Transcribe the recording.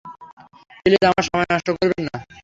Please, আমার সময় নষ্ট করবেন না।